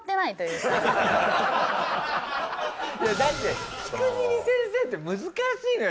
だって「しくじり先生」って難しいのよ